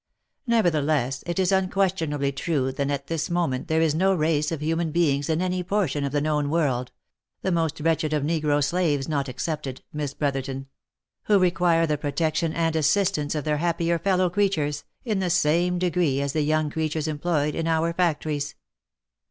Nevertheless it is unquestionably true that at this moment there is no race of human beings in any portion of the known world — the most wretched of negro slaves not excepted, Miss Brother ton — who require the protection and assistance of their happier fellow creatures, in the same degree as the young creatures employed in our factories."